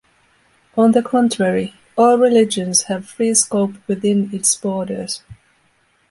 On the contrary, all religions have free scope within its borders.